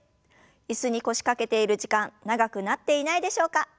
椅子に腰掛けている時間長くなっていないでしょうか？